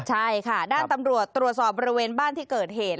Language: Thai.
ใช่ค่ะด้านตำรวจตรวจสอบบริเวณบ้านที่เกิดเหตุ